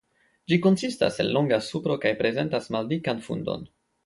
Ĝi konsistas el longa supro kaj prezentas maldikan fundon.